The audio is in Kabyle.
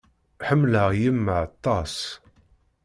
Ḥemmleɣ yemma aṭas.